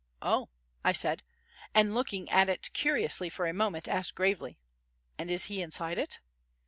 "Oh," I said, and, looking at it curiously for a moment, asked gravely, "And is he inside it?"